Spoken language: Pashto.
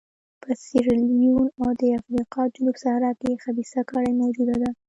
په سیریلیون او د افریقا جنوب صحرا کې خبیثه کړۍ موجوده ده.